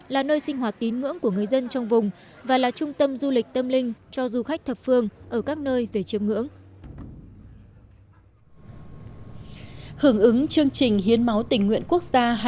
là nơi sinh hoạt tín ngưỡng của người dân trong vùng và là trung tâm du lịch tâm linh cho du khách thập phương ở các nơi về chiếm ngưỡng